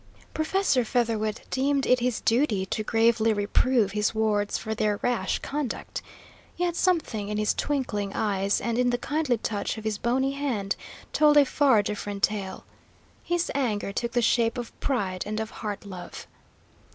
Professor Featherwit deemed it his duty to gravely reprove his wards for their rash conduct, yet something in his twinkling eyes and in the kindly touch of his bony hand told a far different tale. His anger took the shape of pride and of heart love.